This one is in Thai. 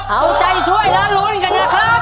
เอาใจช่วยและลุ้นกันนะครับ